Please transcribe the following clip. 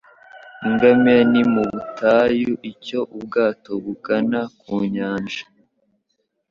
Ingamiya ni mu butayu icyo ubwato bugana ku nyanja.